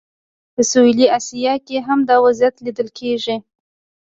په سویلي اسیا کې هم دا وضعیت لیدل کېږي.